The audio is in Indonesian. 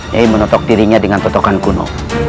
ia menotok dirinya dengan totokan kuno